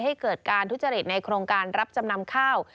ให้เกิดการทุจริตในโครงการรับจำนำข้าว